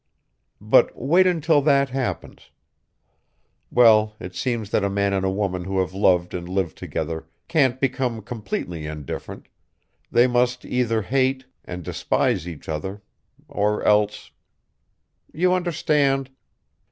But wait until that happens Well, it seems that a man and a woman who have loved and lived together can't become completely indifferent they must either hate and despise each other or else You understand?